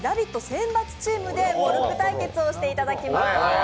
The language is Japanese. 選抜チームでモルック対決をしていただきます。